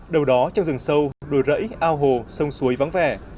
đâu đó trong rừng sâu đồi rẫy ao hồ sông suối vắng vẻ